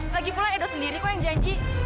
lagipula edo sendiri kok yang janji